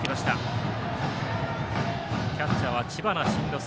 キャッチャーは知花慎之助。